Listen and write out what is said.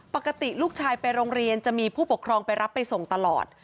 ปกติลูกชายไปโรงเรียนจะมีผู้ปกครองไปรับไปส่งตลอด